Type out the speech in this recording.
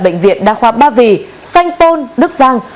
bệnh viện đa khoa ba vì sanh pôn đức giang